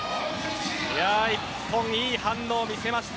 日本、いい反応を見せました